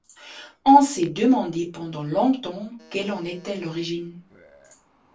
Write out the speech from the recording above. On s'est demandé pendant longtemps quelle en était l'origine.